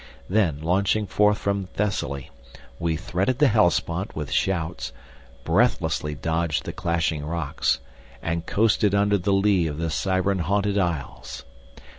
Then launching forth from Thessaly, we threaded the Hellespont with shouts, breathlessly dodged the Clashing Rocks, and coasted under the lee of the Siren haunted isles.